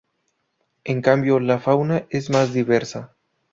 En cambio, la fauna es más diversa.